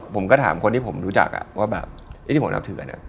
ผมก็ถามคนที่ผมรู้จักอะว่าแบบ